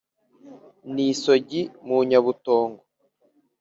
ni isogi mu nyabutongo